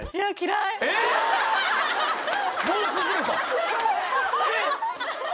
もう崩れたえっ！